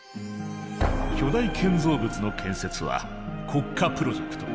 巨大建造物の建設は国家プロジェクト。